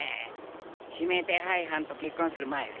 指名手配犯と結婚する前で。